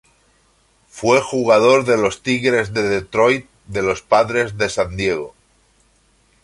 Fue jugador de los Tigres de Detroit, de los Padres de San Diego.